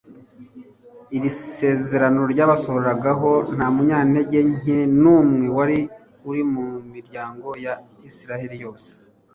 iri sezerano ryabasohoragaho. «Nta munyantege nke n'umwe wari uri mu miryango ya Isiraeli yose." »